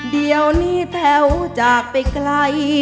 เดี๋ยวนี้แถวจากไปไกล